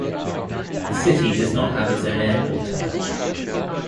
The city does not have its own airport.